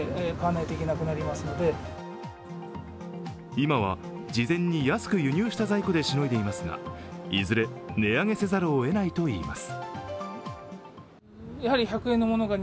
今は事前に安く輸入した在庫でしのいでいますがいずれ値上げせざるをえないといいます。